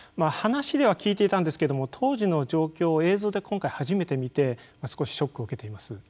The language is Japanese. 話では聞いていたんですけれども当時の状況を映像で今回初めて見て少しショックを受けています。